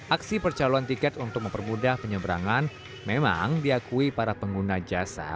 aksi percaloan tiket untuk mempermudah penyeberangan memang diakui para pengguna jasa